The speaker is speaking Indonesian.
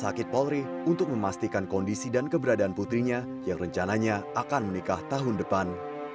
rumah sakit polri untuk memastikan kondisi dan keberadaan putrinya yang rencananya akan menikah tahun depan